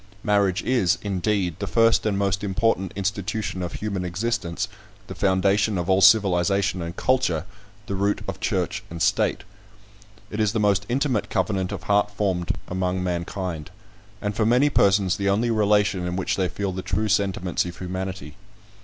Marriage is, indeed, the first and most important institution of human existence the foundation of all civilisation and culture the root of church and state. It is the most intimate covenant of heart formed among mankind; and for many persons the only relation in which they feel the true sentiments of humanity.